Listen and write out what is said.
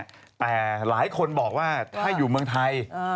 แต่หลายคนบอกว่าถ้าอยู่เมืองไทย